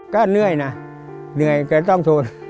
ก็เหนื่อยนะเหนื่อยก็ต้องทน